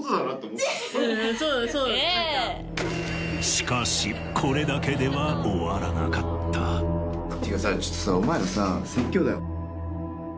しかしこれだけでは終わらなかったっていうかさちょっとさ。